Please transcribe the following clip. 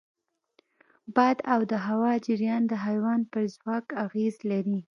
باد او د هوا جریان د حیوان پر ځواک اغېز لري.